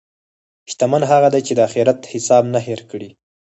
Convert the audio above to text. شتمن هغه دی چې د اخرت حساب نه هېر کړي.